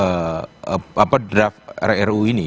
dan juga sebagai penyusun rancangan yang dihapuskan oleh ru ini